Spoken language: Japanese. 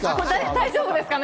大丈夫ですかね？